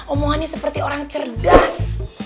omongannya seperti orang cerdas